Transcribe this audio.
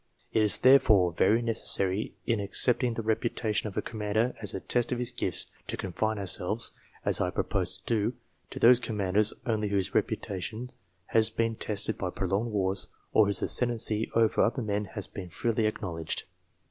It is therefore very necessary, in accepting the reputation of a commander as a test of his gifts, to confine ourselves, as I propose to do, to those commanders only whose reputation has been tested by prolonged wars, or whose ascendency over other men has been freely acknow ledged.